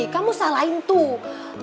kamu salahin tuh